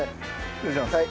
失礼します。